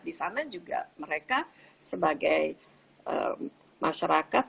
di sana juga mereka sebagai masyarakat